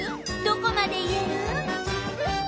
どこまで言える？